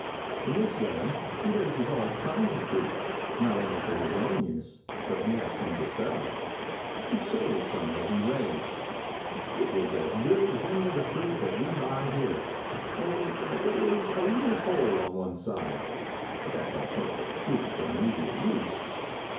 In this way he raises all kinds of fruit, not only for his own use, but he has some to sell. He showed us some that he raised. It was as good as any of the fruit that we buy here, only that there was a little hole on one side, but that don't hurt the fruit for immediate use.